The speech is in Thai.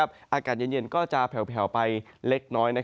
อากาศเย็นก็จะแผลวไปเล็กน้อย